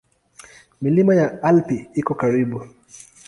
Milima ya Alpi iko karibu.